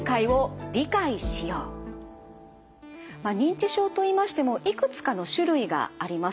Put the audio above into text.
まあ認知症といいましてもいくつかの種類があります。